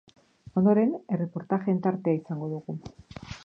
Ondoren, erreportajeen tartea izango dugu.